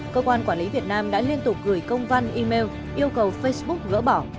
cơ quan quản lý việt nam đã liên tục gửi công văn email yêu cầu facebook gỡ bỏ